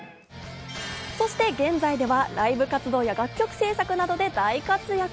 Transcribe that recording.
そして現在ではライブ活動や楽曲制作などで大活躍。